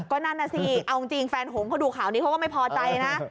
ก็นั่นน่ะสิเอาจริงแฟนหงเขาดูข่าวนี้เขาก็ไม่พอใจนะ